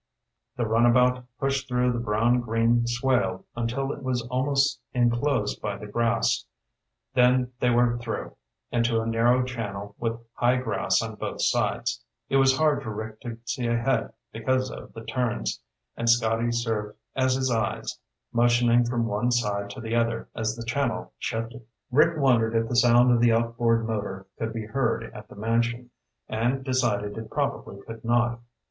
The runabout pushed through the brown green swale until it was almost enclosed by the grass. Then they were through, into a narrow channel with high grass on both sides. It was hard for Rick to see ahead because of the turns, and Scotty served as his eyes, motioning from one side to the other as the channel shifted. Rick wondered if the sound of the outboard motor could be heard at the mansion, and decided it probably could not.